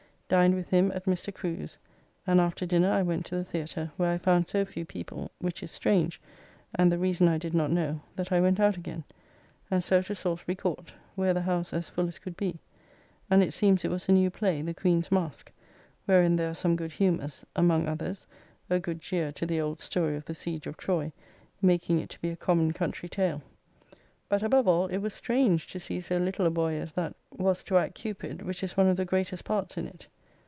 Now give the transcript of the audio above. Dined with him at Mr. Crew's, and after dinner I went to the Theatre, where I found so few people (which is strange, and the reason I did not know) that I went out again, and so to Salsbury Court, where the house as full as could be; and it seems it was a new play, "The Queen's Maske," wherein there are some good humours: among others, a good jeer to the old story of the Siege of Troy, making it to be a common country tale. But above all it was strange to see so little a boy as that was to act Cupid, which is one of the greatest parts in it.